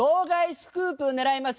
スクープ狙います！